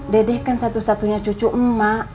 dede kan satu satunya cucu emak